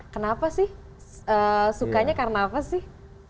kenapa sih sukanya karena apa sih